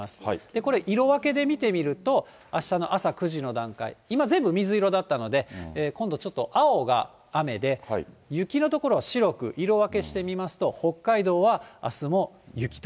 これ、色分けで見てみると、あしたの朝９時の段階、今、全部水色だったので、今度ちょっと、青が雨で、雪の所は白く色分けしてみますと、北海道はあすも雪と。